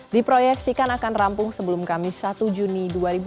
diproyeksikan akan rampung sebelum kamis satu juni dua ribu dua puluh